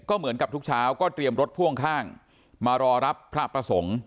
เหมือนกับทุกเช้าก็เตรียมรถพ่วงข้างมารอรับพระประสงค์